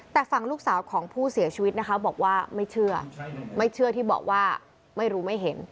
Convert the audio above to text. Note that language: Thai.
แต่ฝั่งลูกสาวของผู้เสียชีวิตนะคะบอกว่าไม่เชื่อไม่เชื่อที่บอกว่าไม่รู้ไม่เห็น